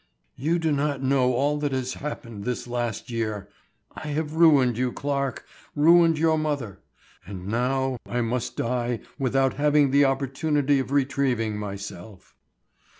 "You do not know all that has happened this last year. I have ruined you, Clarke, ruined your mother; and now I must die without having the opportunity of retrieving myself."